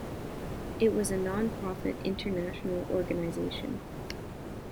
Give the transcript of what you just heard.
It was a non-profit international organization.